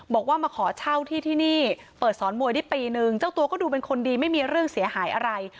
บอกว่ามาขอเช่าที่ที่นี่เปิดสอนมวยได้ปีนึงเจ้าตัวก็ดูเป็นคนดีไม่มีเรื่องเสียหายอะไร